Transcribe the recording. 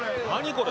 これ。